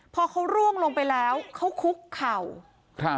พอเขาร่วงลงไปแล้วเขาคุกเข่าครับ